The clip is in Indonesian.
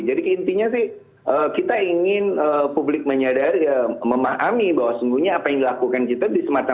jadi intinya sih kita ingin publik menyadari memahami bahwa sebetulnya apa yang dilakukan itu tidak bisa dilakukan